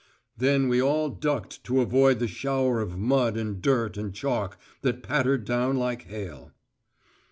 Then we all ducked to avoid the shower of mud and dirt and chalk that pattered down like hail.